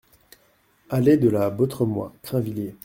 Allée de la Bautremois, Crainvilliers